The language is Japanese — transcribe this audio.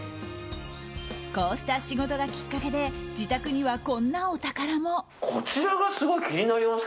こうした仕事がきっかけで自宅には、こんなお宝も。